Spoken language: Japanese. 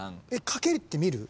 かけてみる？